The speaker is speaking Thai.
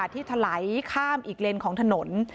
ถลายข้ามอีกเลนของถนน